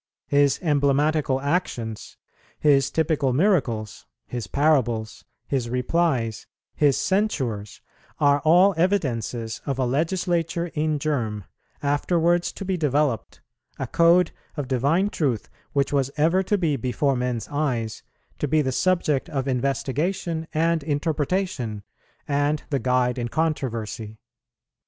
His emblematical actions, His typical miracles, His parables, His replies, His censures, all are evidences of a legislature in germ, afterwards to be developed, a code of divine truth which was ever to be before men's eyes, to be the subject of investigation and interpretation, and the guide in controversy.